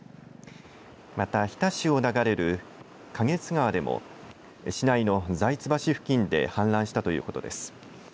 また、日田市を流れる花月川でも市内の財津橋付近で氾濫したということです。